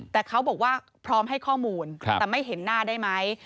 แต่เขาบอกว่าพร้อมให้ข้อมูลแต่ไม่เห็นหน้าได้ไหม